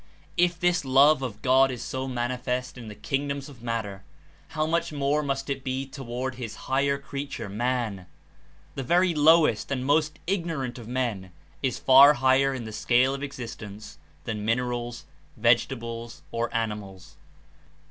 If this Love of God is so manifest in the kingdoms of matter, how much more must it be toward his higher creature man ! The very lowest and most igno rant of men is far higher in the scale of existence than minerals, vegetables or animals.